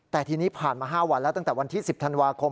แต่ทีนี้ผ่านมา๕วันแล้วตั้งแต่วันที่๑๐ธันวาคม